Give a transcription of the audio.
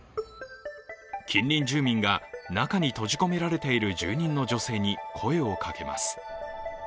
近隣住民が中に閉じ込められている住人の女性に声をかけます。